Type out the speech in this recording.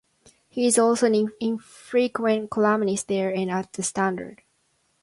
He is also an infrequent columnist there and at "The Standard".